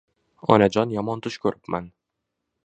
Onajon yomon tush ko‘ribman